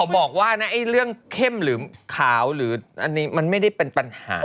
บอกว่านะเรื่องเข้มหรือขาวหรืออันนี้มันไม่ได้เป็นปัญหา